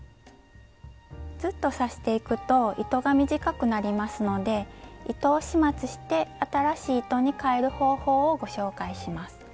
ずっと刺していくと糸が短くなりますので糸を始末して新しい糸にかえる方法をご紹介します。